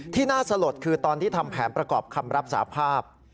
ที่น่าสลดคือตอนที่ทำแผนประกอบคำรับสาภาพ